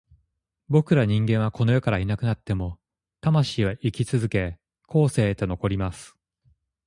僕ら人間はこの世からいなくなっても、魂は生き続け、後世へと残ります。